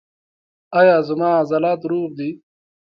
ایا زما عضلات روغ دي؟